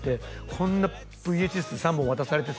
「こんなＶＨＳ３本渡されてさ」